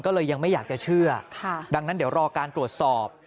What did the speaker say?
ก็เลยยังไม่อยากจะเชื่อดังนั้นเดี๋ยวรอการตรวจสอบ